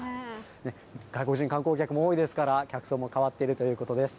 外国人観光客も多いですから、客層も変わっているということです。